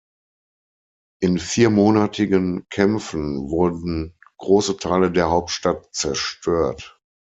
In viermonatigen Kämpfen wurden große Teile der Hauptstadt zerstört.